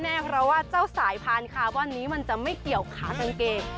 แน่เพราะว่าเจ้าสายพานคาร์บอนนี้มันจะไม่เกี่ยวขากางเกง